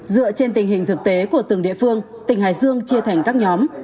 dựa trên tình hình thực tế của từng địa phương tỉnh hải dương chia thành các nhóm